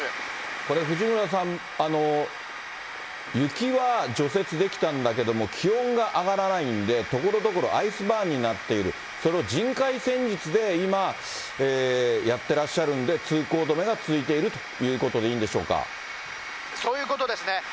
これ、藤村さん、雪は除雪できたんだけども、気温が上がらないんで、ところどころ、アイスバーンになっている、それを人海戦術で、今、やってらっしゃるんで、通行止めが続いているということでいいんそういうことですね。